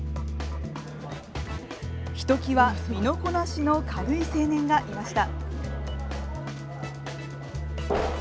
ひときわ身のこなしの軽い青年がいました。